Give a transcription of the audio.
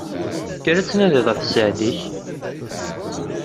Kker ad tnadiḍ ɣef sseɛd-ik!